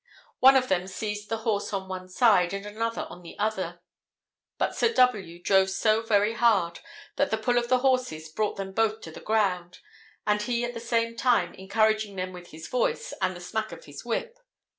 One of them seized the horse on one side, and another on the other, but Sir W drove so very hard that the pull of the horses brought them both to the ground, and he at the same time encouraging them with his voice and the smack of his whip.